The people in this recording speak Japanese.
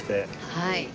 はい。